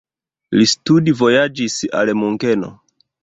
Li studvojaĝis al Munkeno.